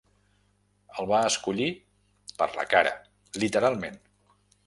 El va escollir per la cara, literalment.